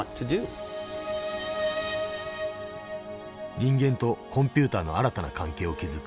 人間とコンピューターの新たな関係を築く。